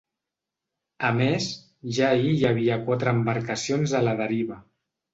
A més, ja ahir hi havia quatre embarcacions a la deriva.